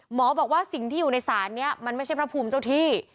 บอกว่าสิ่งที่อยู่ในศาลนี้มันไม่ใช่พระภูมิเจ้าที่